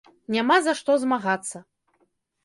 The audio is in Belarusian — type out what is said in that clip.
Няма за што змагацца.